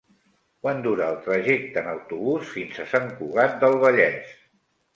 Quant dura el trajecte en autobús fins a Sant Cugat del Vallès?